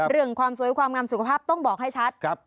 เรื่องความสวยความงามสุขภาพต้องบอกให้ชัด